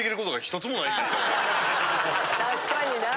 確かにな。